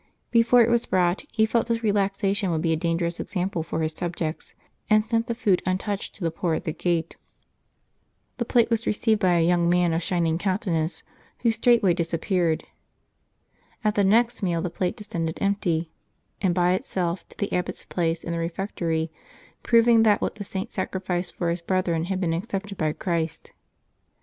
Before it was brought, he felt this relaxation would be a dangerous example for his subjects, and sent the food untouched to the poor at the gate. The plate was received by a young man of shining countenance, who Ju«E 7] LIVES OF THE SAINTS 209 straightway disappeared. At the next meal the plate de scended empty, and by itself, to the abbot's place in the refectory, proving that what the Saint sacrificed for his brethren had been accepted by Christ.